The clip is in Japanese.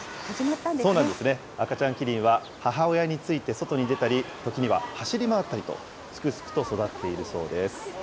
赤ちゃんキリンは母親について外に出たり、時には走り回ったりと、すくすくと育っているそうです。